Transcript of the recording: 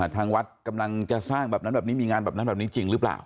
ทางวัดกำลังจะสร้างแบบนั้นแบบนี้มีงานแบบนั้นแบบนี้จริงหรือเปล่า